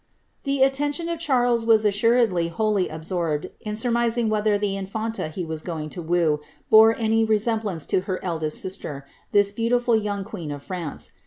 ' The attention of Charles was assuredly wholly absorbed in surmising whether the infanta he was going to woo bore any resemblance to her eldest sister, tliis beautiful young queen of France.